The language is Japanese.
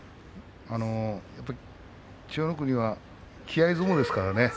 やっぱり千代の国は気合い相撲ですからね。